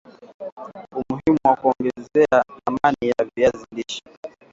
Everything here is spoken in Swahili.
umuhimu wa kuongeza thamani ya viazi lishe